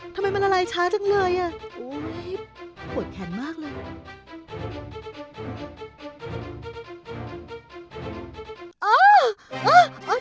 ทำไมมันละลายช้าจังเลยอ่ะโอ้ยหวดแขนมากเลย